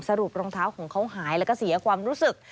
รองเท้าของเขาหายแล้วก็เสียความรู้สึก